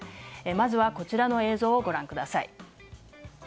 まずはこちらの映像をご覧ください。